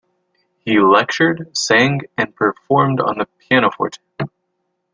He lectured, sang, and performed on the pianoforte.